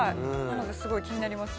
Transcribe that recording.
すごい気になりますね。